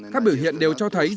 các biểu hiện đều cho thấy